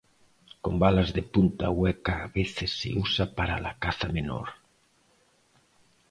Con balas de punta hueca a veces se usa para la caza menor.